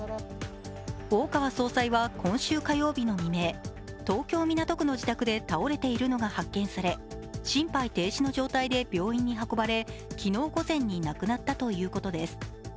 大川総裁は今週火曜日の未明、東京・港区の自宅で倒れているのが発見され心肺停止の状態で病院に運ばれ、昨日午前に亡くなったということです。